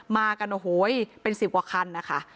มากันโอ้โหเป็น๑๐กว่าคันนะคะ